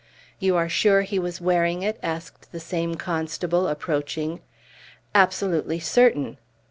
"You are sure he was wearing it?" asked the same constable, approaching. "Absolutely certain."